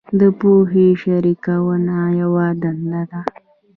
د پوهې شریکول یوه دنده ده.